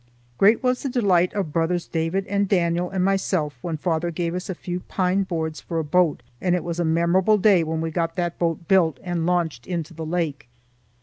Great was the delight of brothers David and Daniel and myself when father gave us a few pine boards for a boat, and it was a memorable day when we got that boat built and launched into the lake.